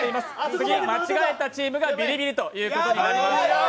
次間違えたチームがビリビリということになります。